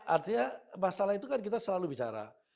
artinya masalah itu kan kita selalu bicara